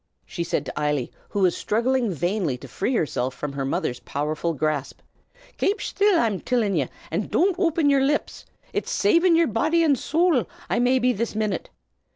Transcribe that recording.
she said to Eily, who was struggling vainly to free herself from her mother's powerful grasp. "Kape shtill, I'm tillin' ye, an' don't open yer lips! It's savin' yer body an' sowl I may be this minute.